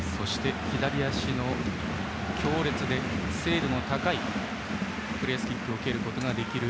左足の強烈で精度の高いプレースキックを蹴ることができる